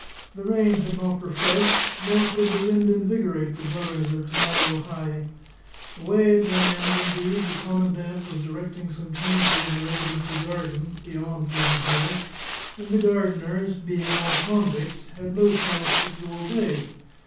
The rain had not refreshed, nor could the wind invigorate, the dwellers of Tai o hae: away at one end, indeed, the commandant was directing some changes in the residency garden beyond Prison Hill; and the gardeners, being all convicts, had no choice but to continue to obey.